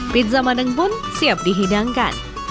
pizza bandeng pun siap dihidangkan